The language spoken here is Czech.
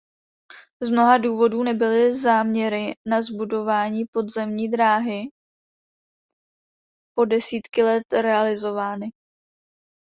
Z mnoha důvodů nebyly záměry na zbudování podzemní dráhy po desítky let realizovány.